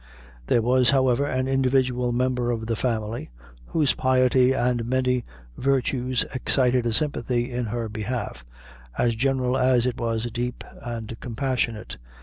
There was, however, an individual member of the family, whose piety and many virtues excited a sympathy in her behalf, as general as it was deep and compassionate.